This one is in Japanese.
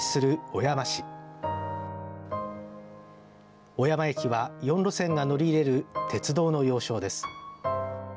小山駅は４路線が乗り入れる鉄道の要衝です。